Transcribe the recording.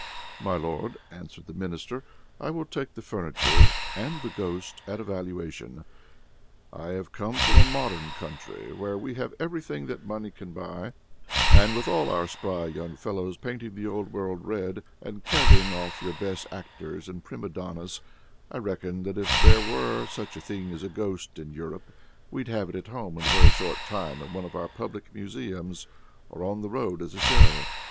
"My Lord," answered the Minister, "I will take the furniture and the ghost at a valuation. I have come from a modern country, where we have everything that money can buy; and with all our spry young fellows painting the Old World red, and carrying off your best actors and prima donnas, I reckon that if there were such a thing as a ghost in Europe, we'd have it at home in a very short time in one of our public museums, or on the road as a show."